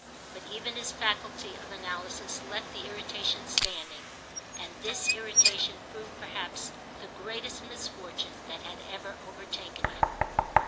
But even his faculty of analysis left the irritation standing, and this irritation proved perhaps the greatest misfortune that had ever overtaken him.